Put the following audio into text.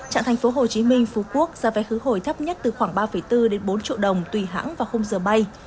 trạng tp hcm phú quốc giá vé khứ hồi thấp nhất từ khoảng ba bốn đến bốn triệu đồng tùy hãng và không giờ bay